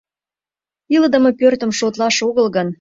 Илыдыме пӧртым шотлаш огыл гын.